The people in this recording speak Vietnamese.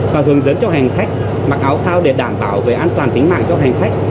và hướng dẫn cho hành khách mặc áo phao để đảm bảo về an toàn tính mạng cho hành khách